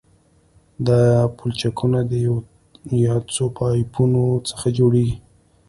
دا پلچکونه د یو یا څو پایپونو څخه جوړیږي